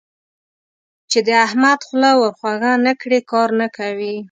چې د احمد خوله ور خوږه نه کړې؛ کار نه کوي.